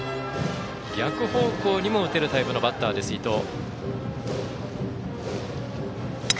逆方向にも打てるタイプのバッターです、伊藤。